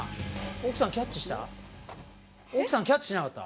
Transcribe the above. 奥さんキャッチしなかった？